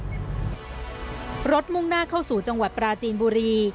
โอกาสรถรถมุ่งหน้าเข้าสู่จังหวัดปราจีนบุรี